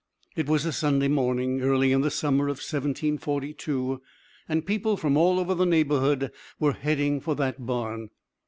It was a Sunday morning early in the summer of 1742, and people from all the neighborhood were heading for that barn.